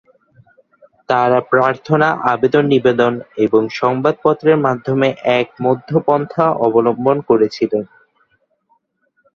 তারা প্রার্থনা, আবেদন-নিবেদন এবং সংবাদপত্রের মাধ্যমে এক মধ্য পন্থা অবলম্বন করেছিল।